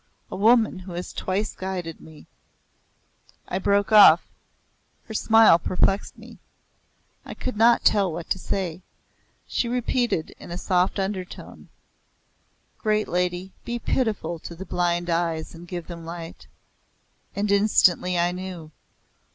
A woman who has twice guided me " I broke off. Her smile perplexed me. I could not tell what to say. She repeated in a soft undertone; "Great Lady, be pitiful to the blind eyes and give them light." And instantly I knew.